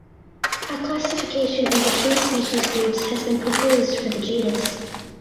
A classification into three species groups has been proposed for the genus.